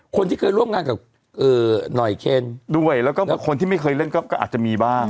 คนที่เคยร่วมงานกับหน่อยเคนด้วยแล้วก็คนที่ไม่เคยเล่นก็อาจจะมีบ้าง